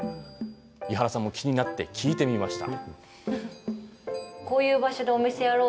伊原さんも気になって聞いてみました。